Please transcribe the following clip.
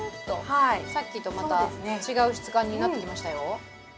さっきとまた違う質感になってきましたよ。